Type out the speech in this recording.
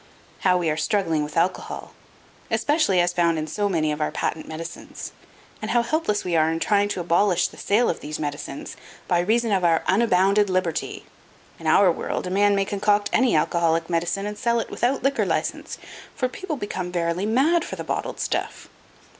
How we are struggling with alcohol, especially as found in so many of our patent medicines, and how helpless we are in trying to abolish the sale of these medicines by reason of our unbounded liberty! In our world, a man may concoct any alcoholic medicine and sell it without liquor license, for people become verily mad for the bottled stuff.